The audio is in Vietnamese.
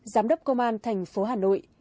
giám đốc công an thành phố hà nội